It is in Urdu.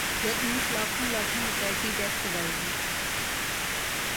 یکمشت لاکھوں لاکھوں روپے کے ٹیکس ادائیگی